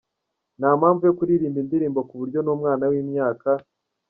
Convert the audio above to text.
Ntampamvu yo kuririmba indirimbo kuburyo numwana wimyaka.